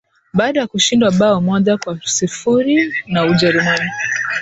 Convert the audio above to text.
Baada ya kushindwa bao moja kwa sifuri na Ujerumani